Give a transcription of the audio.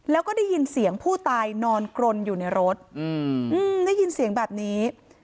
แล้วก็ได้ยินเสียงผู้ตายนอนกรนอยู่ในรถได้ยินเสียงแบบนี้